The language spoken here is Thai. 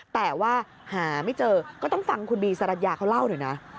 แต่ว่าหาไม่เจอก็ต้องฟังคุณบีสรรยาเขาเล่าหน่อยนะ